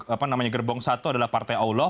apa namanya gerbong satu adalah partai allah